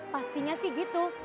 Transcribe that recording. pastinya sih gitu